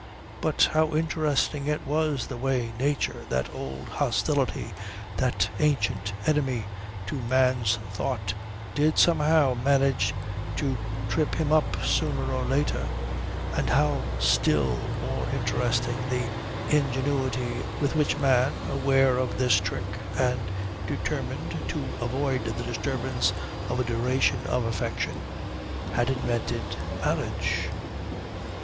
But how interesting it was the way Nature, that old Hostility, that Ancient Enemy to man's thought, did somehow manage to trip him up sooner or later; and how still more interesting the ingenuity with which man, aware of this trick and determined to avoid the disturbance of a duration of affection, had invented marriage.